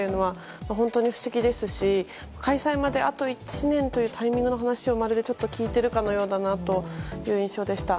本当に不思議ですし、開催まであと１年というタイミングの話をまるで聞いているかのようだなという印象でした。